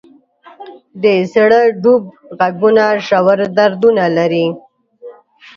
د زړه ډوب ږغونه ژور دردونه لري.